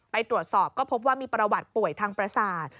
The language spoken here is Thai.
ไปตรวจสอบก็พบว่ามีประวัติป่วยทางประสาท